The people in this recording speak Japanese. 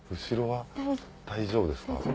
後ろは大丈夫ですか？